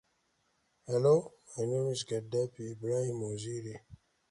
Since Carolingian times, cereals have been grown in Gonesse.